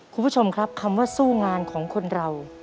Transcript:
คุณผู้ชมครับคำว่าสู้งานของคนเรา